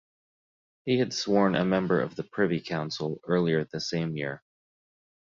He had sworn a member of the Privy Council earlier the same year.